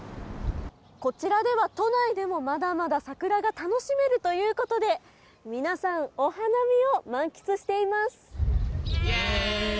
こちらでは都内でもまだまだ桜が楽しめるということで皆さん、お花見を満喫しています。